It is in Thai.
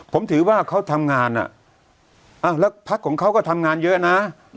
ผมถือว่าเขาทำงานแล้วพักของเขาก็ทำงานเยอะนะ